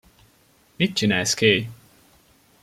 Mit csinálsz, Kay?